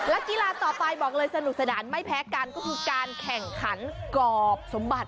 และกีฬาต่อไปบอกเลยสนุกสนานไม่แพ้กันก็คือการแข่งขันกรอบสมบัติ